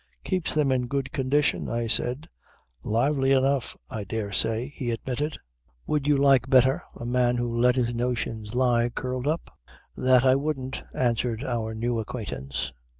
"Keeps them in good condition," I said. "Lively enough I dare say," he admitted. "Would you like better a man who let his notions lie curled up?" "That I wouldn't," answered our new acquaintance.